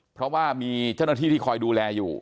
เพราะว่ามีเจ้าหน้าที่ที่คอยดูแลอยู่